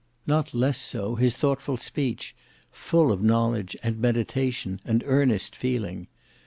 Not less so his thoughtful speech; full of knowledge and meditation and earnest feeling!